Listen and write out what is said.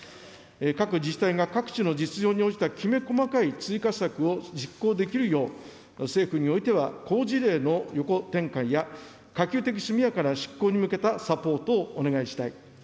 各自治体が各地の実情に応じたきめ細かい追加策を実行できるよう、政府においては、好事例の横展開や、可及的速やかな執行に向けたサポートをお願いしたい。